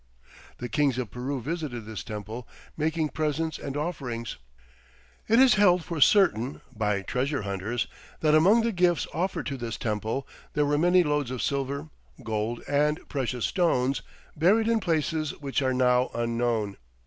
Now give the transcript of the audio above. The kings of Peru visited this temple making presents and offerings .... It is held for certain [by treasure hunters!] that among the gifts offered to this temple there were many loads of silver, gold, and precious stones buried in places which are now unknown.